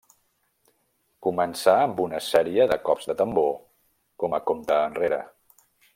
Començà amb una sèrie de cops de tambor com a compte enrere.